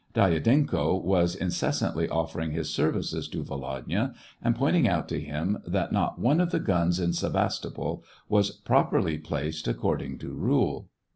Dyadenko was inces santly offering his services to Volodya, and point ing out to him that not one of the guns in Sevastopol was properly placed, according to rule.